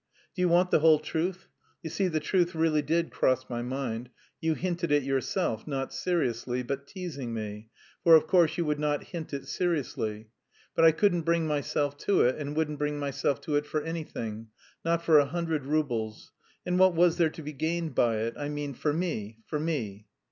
Do you want the whole truth: you see the idea really did cross my mind you hinted it yourself, not seriously, but teasing me (for, of course, you would not hint it seriously), but I couldn't bring myself to it, and wouldn't bring myself to it for anything, not for a hundred roubles and what was there to be gained by it, I mean for me, for me...."